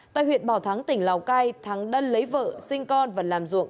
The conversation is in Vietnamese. tại huyện bảo thắng tỉnh lào cai thắng đã lấy vợ sinh con và làm ruộng